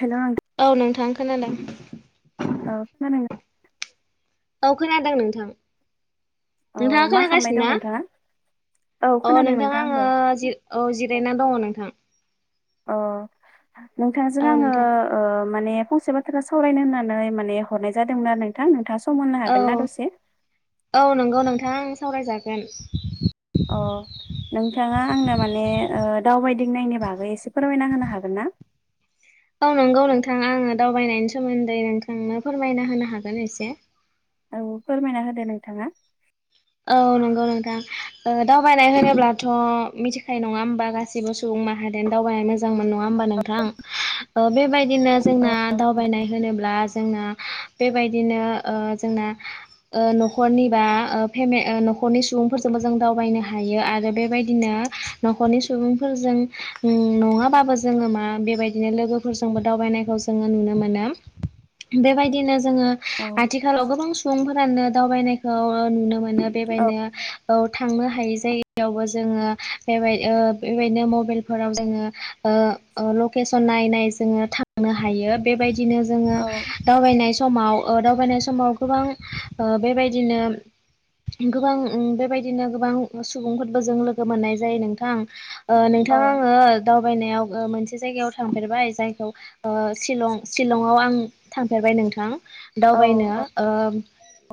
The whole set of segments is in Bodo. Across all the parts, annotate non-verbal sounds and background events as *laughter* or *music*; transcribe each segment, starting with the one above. हेल' नोंथां औ नोंथां खोनादों। औ खोनादों। औ खोनादों नोंथां। औ नोंथाङा मा खालामबाय दं खोनागासिनोना? नोंथाङा औ अ खोनादों नोंथाङा नोंथां आंबो आंङो औ जिरायनानै दंङ नोंथां। अ नोंथांजों औ आंङो नोंथां ओ माने फंसे बाथ्रा सावरायनो होननानै माने हरनाय जादोंमोन आरो नोंथां नोंथाङा सम होनो औ हागोन ना दसे औ नंगौ नोंथां आं सावरायजागोन। अ नोंथाङा आंनो माने ओ दावबायदिंनायनि बागै एसे फोरमायना होनो हागोनना? औ नंगौ नोंथां आंङो दावबायनायनि सोमोन्दै नोंथांनो फोरमायना होनो हागोन एसे। औ फोरमायना होदो नोंथाङा। औ नंगौ नोंथां ओ दावबायनाय होनोब्लाथ मिथिखायो नङा होमबा गासिबो सुबुं माहा जियानो दावबायनो मोजां मोनो नंआ होमबा नोंथां ओ बेबायदिनो जोंना औ दावबायनाय होनोब्ला जोंना बेबायदिनो ओ जोंना ओ नखरनिबा ओ फेमे ओ नखरनि सुबुंफोरजोंबो जों दावबायनो हायो आरो बेबायदिनो नखरनि सुबुंफोरजों नङाबाबो जोङो मा बेबायदिनो लोगोफोरजोंबो दावबायनायखौ जोंङो नुनो मोनो। बेबायदिनो जोंङो औ आथिखालाव गोबां सुबुंफोरानो दावबायनायखौ नुनो मोनो औ बेबायदिनो औ थांनो हायि जायगायावबो जोंङो बेबाय बेबायदिनो मबाइलफोराव जोंङो ओ ओ लखेसन नायै नायै जोंङो थांनो हायो बेबायदि बिदिनो जोङो दावबायनाय समाव ओ दावबायनाय समाव गोबां ओ बेबायदिनो गोबां उम बेबायदिनो गोबां सुबुंफोरबो जों लोगो मोननाय जायो नोंथां‌। ओ औ नोंथाङा आंङो दावबायनायाव ओ मोनसे जायगायाव थांफेरबाय जायखौ ओ सिलंआव आं थांफेरबाय नोंथां। औ दावबायनो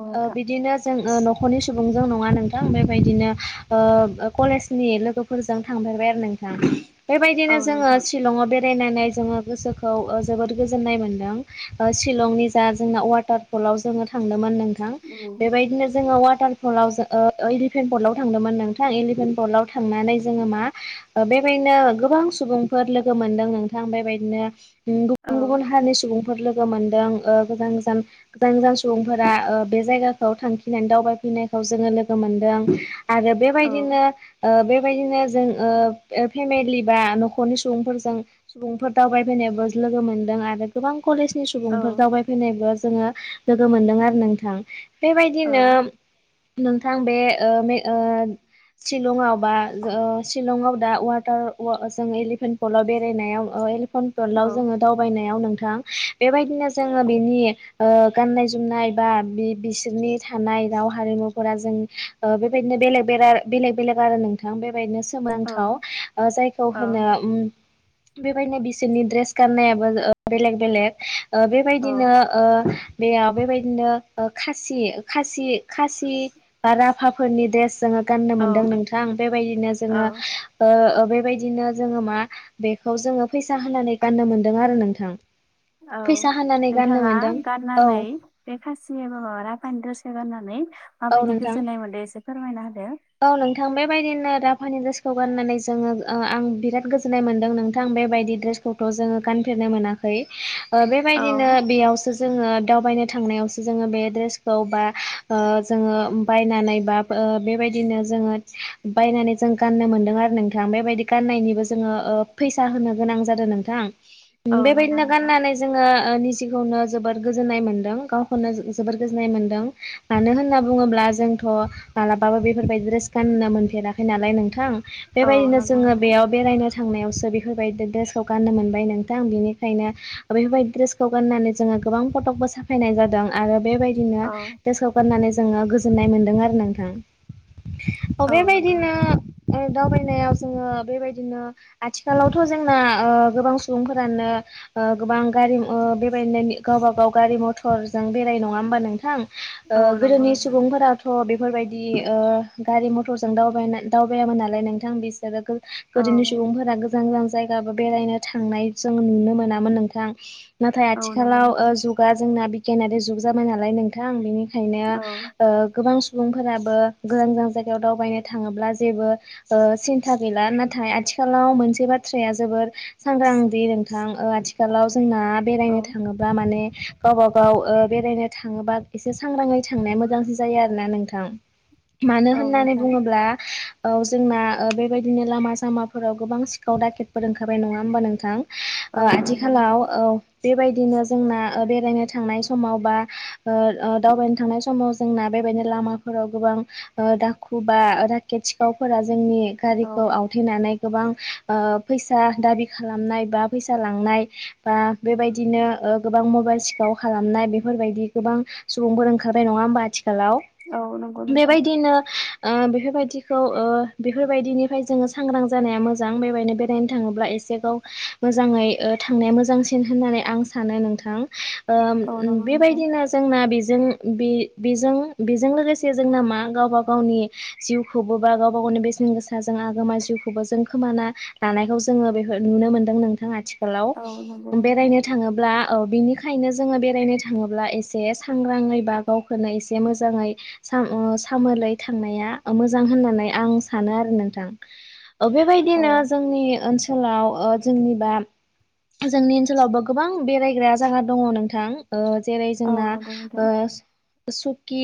औ नोंथां बिदिनो जों नख खरनि सुबुंजों नंङा नोंथां बेबायदिनो कलेजनि लोगोफोरजों थांफेरबाय आरो नोंथ औ बेबायदिनो जोंङो नोंथां सिलंआव बेरायनानै जोङो गोसोखौ ओ जोबोद गोजोन्नाय मोनदों ओ शिलंनि जा जोंना वाटार फलाव जोंङो थांदोंमोन नोंथां औ बेबायदिनो जोंङो अवा टार पलाव ओ बेबायदिनो गोबां सुबुंफोर लोगो मोनदों नोंथां बेबायदिनो औ गुबुन गुबुन हारिनि सुबुंफोर लो गोमोनदों ओ गोजान गोजान सुबुंफोरा बे जायगाखौ थांखिनानै दावबाय फैनायखौ जोंङो लोगो मोनदों आरो औ बेबायदिनो ओ बे बेबायदिनो जों ओ फेमेलि बा नखरनि सुबुंफोरजों सुबुंफोर दावबायफैनाय लोगो मोनदों आरो गोबां कलेजनि औ सुबुंफोर दावबायफैनायबो जोंङो लोगो मोनदों आरो नोंथां। औ बेबायदिनो नोंथां बे ओ बे ओ शिलंआव बा ओ शिलंआव दा वाटार जों एलिफेन्ट पलाव बेरायनायाव ओ फनफोरलाव औ जोंङो दावबायनायाव नोंथां। बेबायदिनो जोंङो बेनि ओ गाननाय जोमनाय बा बि बिसोरनि थानाय दाव। हारिमुफोरा जों ओ बेबायदिनो बेलेर बेरार बेलेग बेलार रायलायो नोंथां बे। बेबायदिनो सोमोनांथाव ओ जायखौ होनो उम्म। बेबायदिनो बिसोरनि ड्रेस गाननायाबो ओ बेलेग बेलेग ओ बेबायदिनो औ ओ। बेयाव बेबायदिनो ओ खासि ओ खासि। खासि बा राभाफोरनि द्रेस जोंङो। गाननो मोनदों औ नोंथां बेबायदिनो औ जोंङो ओ ओ। बेबायदिनो जोंङो मा बेखौ जोंङो फैसा होनानै गाननो मोनदों आरो नोंथां। औ। फैसा होनानै गाननो नोंथांङा मोनदों औ गारनानै बे खासि एबा माबा राफायानि द्रेसखौ गाननानै। माबायदि नोंथां गोजोननाय मोनदों एसे फोरमायना होदो। औ नोंथां बेबायदिनो राभानि ड्रेसखौ गाननानै जोंङो ओ आं बिराद गोजोननाय मोन्दों नोंथां बेबायदि ड्रेसखौथ' जोंङो गानफेरनो मोनाखै। ओ औ बेबायदिनो बेयावसो जोंङो दावबायनो थांनायावसो जोंङो बे ड्रेसखौ बा ओ जोंङो उम्म बायनानै बाब ओ बेबायदिनो जोंङो बायनानै जों गाननो मोनदों आरो नोंथां। बेबायदि गाननायनिबो जोंङो फैसा होनो गोनां जादों नोंथां। उम्म औ नंगौ बेबायदिनो नोंथां गाननानै जोंङो ओ निजि खौनो जोबोद गोजोननाय मोनदों गावखौनो जो-जोबोर गोजोननाय मोनदों मानो होन होनना बुंङोब्ला जोंथ मालाबाबो बेफोरबायदि ड्रेस गाननो मोनफेराखै नालाय नोंथां। औ बेबायदिनो नंगौ जोंङो नोंथां बेयाव बेरायनो थांनायावसो बिफोरबायदि ड्रेसखौ गाननो मोनबाय नोंथां बिनिखायनो बेफोरबायदि ड्रेसखौ गाननानै जोंङो ओ गोबां फटकबो साफायनाय जादों आरो बेबायदिनो औ देसखौ गाननानै जोंङो गोजोननाय मोनदों आरो नोंथां। अ औ नंगौ बेबायदिनो नोंथां ओ दावबायनायाव जोंङो बेबायदिनो आथिखालावथ जोंना ओ गोबां सुबुंफोरानो ओ गोबां गारिम ओ बेबायदिनो गावबा गाव गारि मथर जों बेरायो नंङा होमबा नोंथां? ओ औ नंगौ गोदोनि नोंथां सुबुंफोराथ बे फोरबायदि ओ गारि मथर जों दावबायनाय दावबायामोन नालाय नोंथां बिसोरो गो औ गोदिनि सुबुंफोरा गोजान गोजान जायगाबो बेरायनो थांनाय जों नुनो मोनामोन नोंथां। नाथाय औ नंगौ आथिखालाव ओ नोंथां जुगा जोंना बिगियानारि जुग जाबाय नालाय नोंथां बिनिखाय औ ओ गोबां सु सुबुंफोराबो गोजान गोजान जायगायाव दावबायनो थांङोब्ला जेबो ओ सिन्था गैला नाथाय आथि थिखालाव मोनसे बाथ्राया जोबोर सांग्रां दि नोंथां ओ आथिखालाव जोंना औ बेरायनो थांङोब्ला माने गावबा गाव ओ बेरायनो थांङोबा एसे सांग्रांङै थांनाया मोजांसो जायो आरोना नोंथां मानो औ होननानै नोंथां बुंङोब्ला औ जोंना ओ बेबायदिनो लामा सामाफोराव गोबां सिखाव दाकेटफोर ओंखारबाय नंङा ओमबा नोंथां? ओ औ नंगौ आथिखालाव नोंथां औ। बेबायदिनो जोंना ओ बेरायनो थांनाय समाव बा ओ ओ दावबायनो थांनाय समाव जोंना बेबायदिनो लामाफोराव गोबां ओ दाखु बा ओ दाखेट सिखावफोरा जोंनि औ गारिखौ आवथेनानै गोबां ओ फैसा दाबि खालामनाय बा फैसा लांनाय बा बेबायदिनो ओ गोबां मबाइल सिखाव खालामनाय बिफोरबायदि गोबां सुबुंफोर ओं खारबाय नंङा ओमबा आथिखालाव औ नंगौ नोंथां बेबायदिनो ओ बेफोरबायदिखौ ओ बिफोरबायदिनिफाय जोंङो सांग्रां जानाया मोजां बेबायदिनो बेरायनो थांङोब्ला ए सेगाव मोजांङै ओ थांनाया मोजांसिन होननानै आं सानो नोंथां। ओम औ उम्म नंगौ नोंथां बेबायदिनो जोंना बिजों बि-बिजों बिजों लोगोसे जोंना मा गावबा गावनि जिउखौबो बा गावबा गावनि बेसे सिन गोसा जों आगोमा जिउखौबो जों खोमाना लानायखौ जोंङो बेफोर नुनो मोन्दों नोंथां आथि खालाव औ नंगौ नोंथां बेरायनो थांङोब्ला औ बिनिखायनो जोंङो बेरायनो थांङोब्ला एसे सांग्रांङै बा गावखौनो एसे मोजाङै सा-सामोलै थांनाया मोजां होननानै आं सानो। आरो नोंथां ओ औ बेबायदिनो जोंनि ओनसोलाव ओ जोंनिबा जोंनि ओनसोलावबो गोबां बेरायग्रा जायगा दङ नोंथां ओ जेरै औ जोंना नंगौ नोंथां ओ सुकि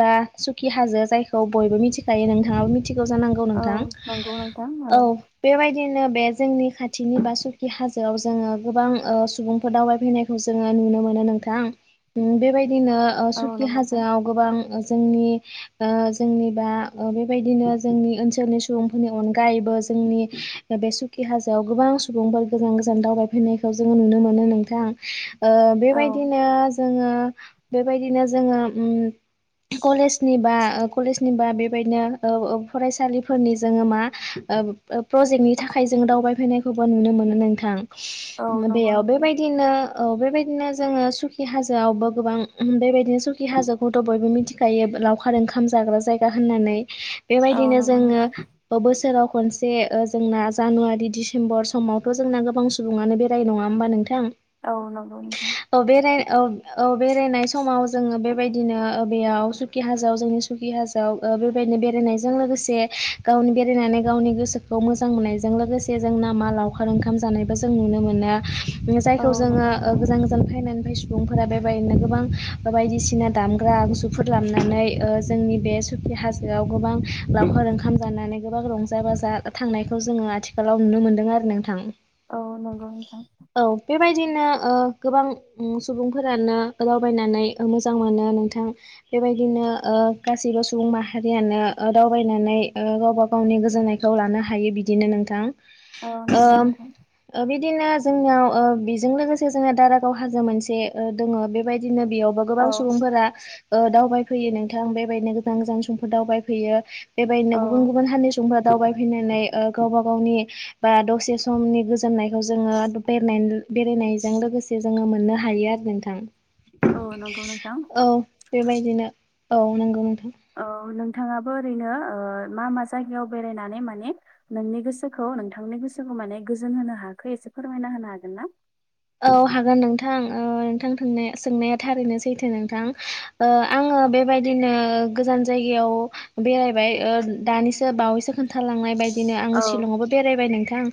बा सुकि हाजो जायखौ बयबो मिथिखायो नोंथाङाबो मि थिगौ जांनांगौ औ नोंथां नंगौ नोंथां औ बेबाय दिनो बे जोंनि खाथिनि बा सुकि हाजोआव जोङो गोबां सुबुंफोर दावबायफैनायखौ जोङो नुनो मोनो नोंथां बेबायदिनो ओ औ सुकि नंगौ नोंथां हाजोआव गोबां जोंनि ओ जोंनिबा बेबायदिनो जोंनि ओनसोलनि सुबुंफोरनि अनगायैबो जोंनि बे सुखि हाजोआव गोबां सुबुंफोर गोजान गोजान दावबायफैनायखौ जोङो नुनो मोनो नोंथां। ओ औ बेबायदिनो जोङो बेबायदिनो जोङो ओम कलेज निबा कलेजनिबा बेबायदिनो ओ फरायसालिफोरनि जोङो मा ओ ओ प्रजेक्टनि थाखाय जों दावबायफैनायखौबो नुनो मोनो नोंथां। औ नंगौ बेयाव नोंथां बेबायदिनो औ बेबायदिनो जोङो सुखि हाजोआवबो गोबां बेबायदिनो सुखि हाजोखौथ' बयबो मिथिखायो लावखार ओंखाम जाग्रा जायगा होननानै। औ बेबायदिनो नंगौ जोङो नोंथां ओ बोसोराव खनसे ओ जोंना जानुवारि डिसेम्बर समावथ' जोंना गोबां सुबुङानो बेरायो नङा होमबा नोंथां। औ नंगौ औ बेराय औ औ बेरायनाय समाव जोङो बेबायदिनो बेयाव सुखि हाजोआव जोंनि सुकि हाजोआव बेबायदिनो बेरायनायजों लोगोसे गावनि बेरायनानै गावनि गोसोखौ मोजां मोननायजों लोगोसे जों ना मा लावखार ओंखाम जानायबो जों नुनो मो नो मोनो औ जायखौ जोङो नंगौ नोंथां गोजान गोजान फैनानै सुबुंफोरा बेबायदिनो गोबां बायदिसिना दामग्रा आगजुफोर लानानै ओ जोंनि बे सुखि हाजोआव गोबां लावखार फोर ओंखाम जानानै गोबां रंजा बाजा थांनायखौ जोङो आथिखालाव नुनो मोन्दों आरो नोंथां। औ नंगौ नोंथां। औ बेबायदिनो ओ गोबां सुबुंफोरानो दावबायनानै मोजां मोनो नोंथां बेबायदिनो ओ गासैबो सुबुं माहारियानो ओ दावबायनानै ओ गावबा गावनि गोजोननायखौ लानो हायो बिदिनो नोंथां। औ नंगौ ओम ओ बिदिनो जोंनियाव ओ बेजों लोगोसे जोंहा दारागाव हाजो मोनसे ओ दङ बेबायदिनो बेयाव गोबां औ सुबुंफोरा ओ दावबायफैयो नोंथां बेबायदिनो गोजान गोजान सुबुंफोर दावबायफैयो। बेबायदिनो औ गुबुन गुबुन हारिनि सुबुंफ्रा दावबायफैनानै ओ गावबा गावनि बा दसे समनि गोजोननायखौ जोङो बेरायनाय बेरायनायजों लोगोसे जोङो मोननो हायो आरो नोंथां। औ नंगौ नोंथां औ बेबायदिनो औ नंगौ औ जों नोंथाङाबो ओरैनो ओ मा मा जायगायाव बेरायनानै माने नोंनि गोसोखौ नोंथांनि गोसोखौ माने गोजोन होनो हाखो एसे फोरमायना होनो हागोन ना? औ हागोन नोंथां ओ नोंथांनाय सोंनाया थारैनो सैथो नोंथां ओ आं बेबायदिनो गोजान जायगायाव बेरायबाय दानिसो बावैसो खोन्थालांनाय बायदि बिदिनो आङो औ सिलंआवबो बेरायबाय नोंथां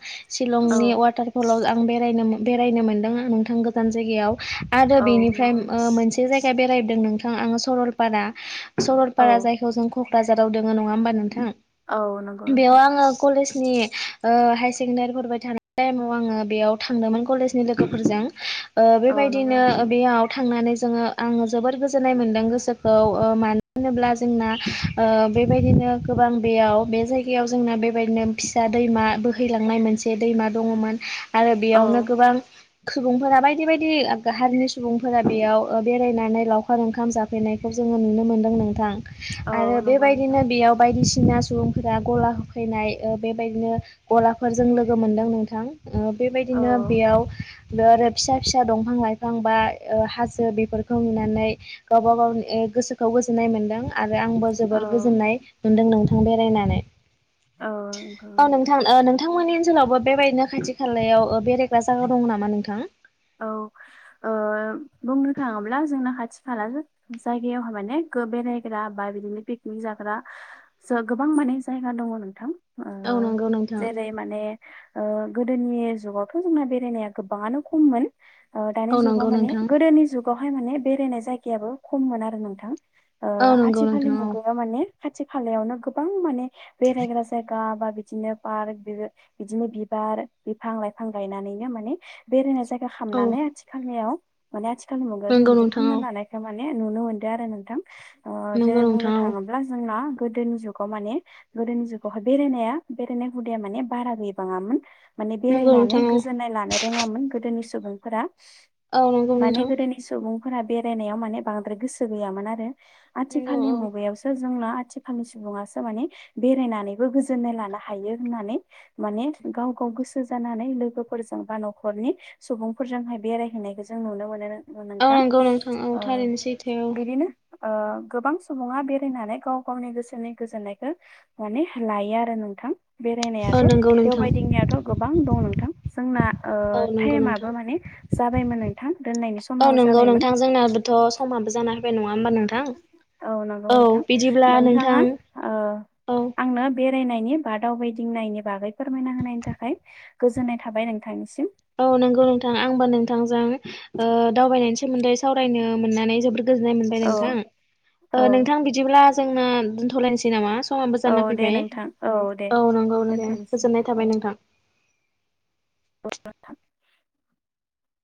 औ सिलंनि वाटारफलाव आं बेरायनो बे रायनो मोनदों आं नोंथां गोजान जायगायाव आरो औ बेनिफ्राय नंगौ ओ नोंथां मोनसे जायगा बेरायदों नोंथां आङो सरलपारा औ सरलपारा जायखौ जों बाजाराव दङ नङा होनबा नोंथां औ नंगौ बेयाव नोंथां आङो कलेज नि ओ हायार सेकेण्डारि फरायबाय थानाय टाइमाव आङो बेयाव थांदोंमोन कलेज नि लोगोफोरजों ओ औ नंगौ बेबायदिनो ओ नोंथां बेयाव थांनानै जोङो आङो जोबोर गोजोन्नाय मोनदों गोसोखौ ओ मानो होनोब्ला जोंना ओ बेबायदिनो गोबां बेयाव बे जायगायाव जोंना बेबायदिनो फिसा दैमा बोहैलांनाय मोनसे दैमा दङ मोन‌ आरो औ बेयावनो गोबां सुबुंफोरा बायदि बायदि हारिनि सुबुंफोरा बेयाव ओ बेरायनानै लावखार ओंखाम जाफैनाय खौ जोङो नुनो मोनदों नोंथां औ आरो बे नंगौ नोंथां बायदिनो बेयाव बायदिसि ना सुबुंफोरा गला होफैनाय ओ बे बायदिनो गलाफोरजों लोगो मोनदों नोंथां। ओ बे औ बायदिनो बेयाव बे आरो फिसा फिसा दंफां लाइफां बा ओ हाजो बेफोरखौ नुनानै गावबा गावनि ए गोसोखौ गोजोननाय मोन्दों आरो आंबो औ जोबोर गोजोननाय मोनदों नोंथां बेरायनानै।। औ नोंथां ओ नों नोंथांमोननि ओनसोलावबो बेबायदिनो खाथि खालायाव ओ बेरायग्रा जागा दं नामा नोंथां? औ ओ ओ बुंनो थांङोब्ला जोंना खाथि खाला जायगायाव माने बेरायग्रा बा बिदिनो पिकनिक जाग्रा गोबां माने जायगा दङ नोंथां ओ औ नंगौ नोंथां जेरै माने ओ गोदोनि जुगावथ' जोंना बेरायनाया गोबाङानो खम खममोन ओ औ दानि जुगाव नंगौ माने नोंथां गोदोनि जुगाव बेहाय माने बेरायनाय जायगायाबो खममोन आरो नोंथां ओ औ नंगौ आथिखालनि नोंथां औ मुगायाव माने खाथि खालायावनो गोबां माने बेरायग्रा जायगा बा बिदिनो पार्क बिदिनो बिबार बिफां लाइफां गायनानैनो मान बेरायनो जायगा औ खालामनानै आथिलनिआव आथिखालनि मुगायाव जों नंगौ बिदि नोंथां खालामनो औ लानाय माने नुनो मोनदों आरो नोंथां ओ नंगौ जेरै नोंथां बुंनो औ थाङोब्ला जोंना गोदोनि जुगाव माने गोदोनि जुगावहाय बेरायनाया बेरायनाय हुदाया माने बारा गैबांङामोन माने नंगौ बेरायनानै नोंथां औ गोजोननाय लानो रोङामोन गोदोनि सुबुंफोरा औ नंगौ माने नोंथां गोदोनि सुबुं मोना बेराय नायाव माने बांद्राय गोसो गैयामोन आरो नंगौ औ आथिखालनि मुगायाव सो जोंना आथिखालनि सुबुङासो माने बेरायनानैबो गोजोननाय लानो हायो होननानै माने गाव गाव गोसो जानानै लोगोफोरजों बा न' न'खरनि सुबुंफोरजोंहाय बेरायहैनायखौ जों नुनो मोनो औ नोंथां नंगौ नोंथां औ ओ थारैनो सैथो औ बिदिनो ओ गोबां सुबुङा बेरायनानै गाव गावनि गोसोनि गोजोननायखौ माने लायो आरो नोंथां औ बेरायनायाथ' नंगौ नोंथां देवबायदिंनायाथ' गोबां दं नोंथां जोंना ओ औ नंगौ नोंथां टाइमाबो माने जाबायमोन नोंथां दोननायनि औ समाबो नंगौ जाबायमोन नोंथां जोंनाबोथ' समाबो जाना फैबाय नंङा औ नंगौ नोंथां बिदिब्ला नोंथां नोंथाङा ओ औ आंनो बे बेरायनायनि बा दावबायदिंनायनि बागै फोरमायना होनायनि थाखाय गोजोननाय थाबाय नोंथांनिसिम औ नंगौ नोंथां आंबो नोंथांजों ओ दावबायनायनि सोमोन्दै सावरायनो मोननानै जोबोद गोजोन्नाय मोनबाय औ नोंथां औ नोंथां बिदिब्ला जोंनो दोनथ'लायनोसै नामा समाबो औ जाना दे फैबाय नोंथां औ दे औ नंगौ दे दोनथ'नोसै गोजोननाय औ थाबाय नोंथां *inaudible*